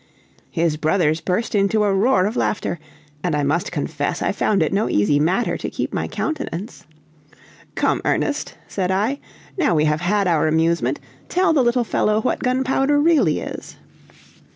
His brothers burst into a roar of laughter, and I must confess I found it no easy matter to keep my countenance. "Come, Ernest," said I; "now we have had our amusement, tell the little fellow what gunpowder really is."